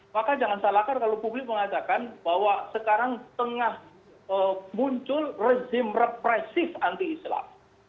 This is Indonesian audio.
maka jangan salahkan kalau publik mengatakan bahwa sekarang tengah muncul rezim represif anti islam